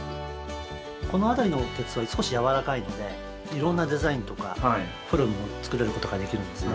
この辺りの鉄は少しやわらかいのでいろんなデザインとかフォルムを作れることができるんですね。